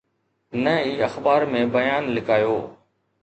نه ئي اخبار ۾ بيان لڪايو.